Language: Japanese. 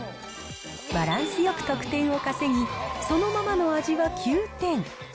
バランスよく得点を稼ぎ、そのままの味は９点。